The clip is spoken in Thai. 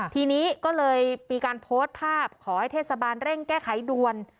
ทีนี้ก็เลยมีการโพสต์ภาพขอให้เทศบาลเร่งแก้ไขด่วน